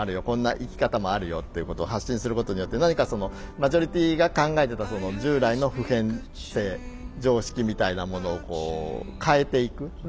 こんな生き方もあるよっていうことを発信することによって何かそのマジョリティーが考えてた従来の普遍性常識みたいなものをこう変えていく。